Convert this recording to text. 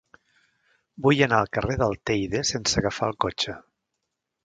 Vull anar al carrer del Teide sense agafar el cotxe.